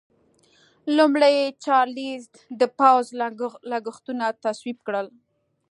لومړي چارلېز د پوځ لګښتونه تصویب کړل.